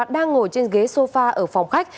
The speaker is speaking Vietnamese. đang ngồi trên ghế sofa ở phòng khách